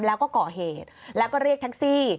แล้วก็ก่อเหตุแล้วก็เรียกแท็กซี่